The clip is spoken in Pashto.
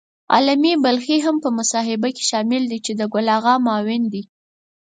عالمي بلخي هم په محاسبه کې شامل دی چې د ګل آغا معاون دی.